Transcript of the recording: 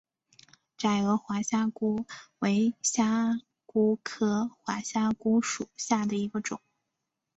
窄额滑虾蛄为虾蛄科滑虾蛄属下的一个种。